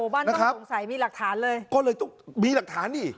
สงสัยมีหลักฐานเลยมีหลักฐานดิ